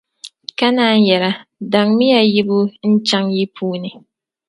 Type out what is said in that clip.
Ka naan yεra, daŋmi ya yibu n-chaŋ yi puuni.